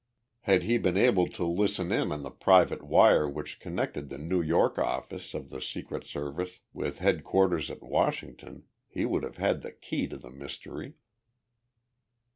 Had he been able to listen in on the private wire which connected the New York office of the Secret Service with headquarters at Washington, he would have had the key to the mystery.